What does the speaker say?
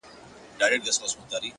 د غيږي د خوشبو وږم له مياشتو حيسيږي ـ